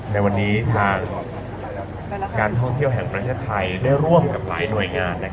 ในวันนี้ทางการท่องเที่ยวแห่งประเทศไทยได้ร่วมกับหลายหน่วยงาน